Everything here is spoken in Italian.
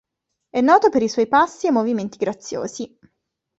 È noto per i suoi passi e movimenti graziosi.